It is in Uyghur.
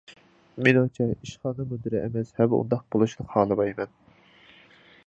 مېنىڭچە، ئىشخانا مۇدىرى ئەمەس ھەم ئۇنداق بولۇشىنى خالىمايمەن.